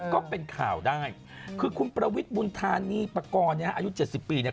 ก็เป็นข่าวได้คือคุณประวิทย์บุญธานีปากรเนี่ยอายุ๗๐ปีเนี่ย